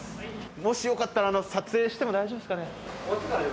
もしよかったら撮影しても大丈夫ですかね？